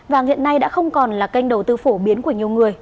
và hiện nay đã không còn là kênh đầu tư phổ biến của nhiều người